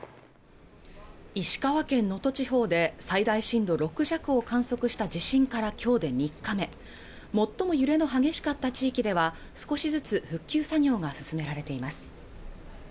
石川県能登地方で最大震度６弱を観測した地震から今日で３日目最も揺れの激しかった地域では少しずつ復旧作業が進められています